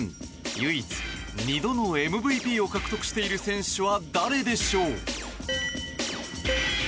唯一、２度のＭＶＰを獲得している選手は誰でしょう？